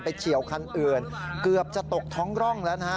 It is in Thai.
เฉียวคันอื่นเกือบจะตกท้องร่องแล้วนะฮะ